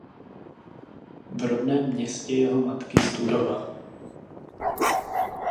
V rodném městě jeho matky studoval.